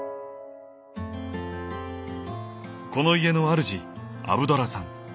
この家のあるじアブドラさん。